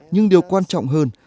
nhưng điều quan trọng hơn